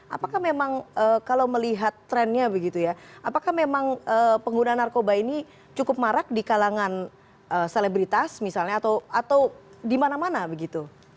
apakah memang kalau melihat trennya begitu ya apakah memang pengguna narkoba ini cukup marak di kalangan selebritas misalnya atau di mana mana begitu